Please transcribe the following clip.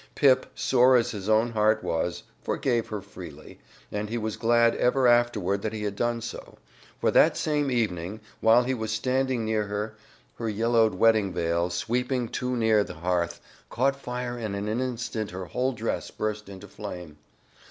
Pip, sore as his own heart was, forgave her freely, and he was glad ever afterward that he had done so, for that same evening, while he was standing near her, her yellowed wedding veil, sweeping too near the hearth, caught fire and in an instant her whole dress burst into flame.